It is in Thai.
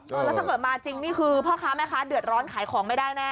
แล้วถ้าเกิดมาจริงนี่คือพ่อค้าแม่ค้าเดือดร้อนขายของไม่ได้แน่